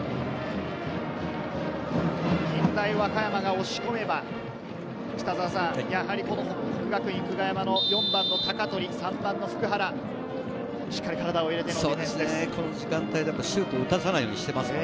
近大和歌山が押し込めば、やはり國學院久我山の４番の鷹取、３番の普久原、しっかり体を入れてきますね。